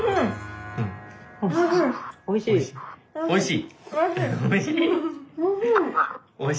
おいしい？